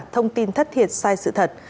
thông tin thất thiệt sai sự thật